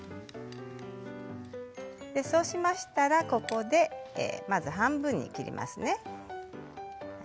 そうしましたらここでまず半分に切りますね。